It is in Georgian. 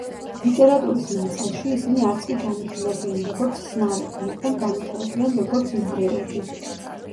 ლიტერატურის ნაწილში, ისინი არც კი განიხილებიან, როგორც ხსნარები, მაგრამ განიხილებიან, როგორც ნარევები.